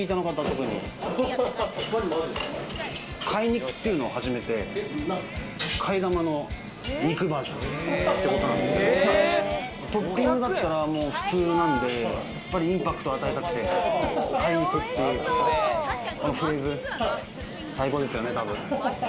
替肉っていうのも始めて、替え玉の肉バージョンなんですけど、トッピングだったら普通なんで、インパクトを与えたくて替肉っていうこのフレーズ最高ですよね。